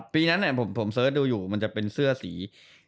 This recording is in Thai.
ปีนั้นผมเสิร์ชดูอยู่มันจะเป็นเสื้อสี